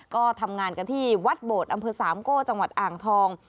ก็ทำงานกันที่วัดโบดอำเภอสามโก้จังหวัดอ่างทอง